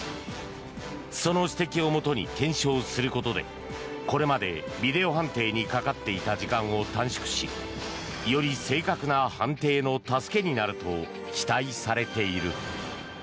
その指摘をもとに検証することでこれまでビデオ判定にかかっていた時間を短縮しより正確な判定の助けになると期待されている。